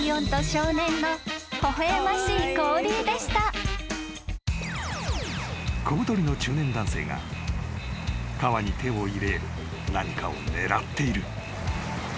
［小太りの中年男性が川に手を入れ何かを狙っている］